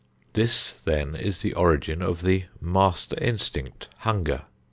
This then is the origin of the "Master Instinct," hunger.